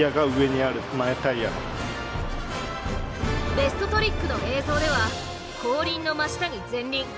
ベストトリックの映像では後輪の真下に前輪。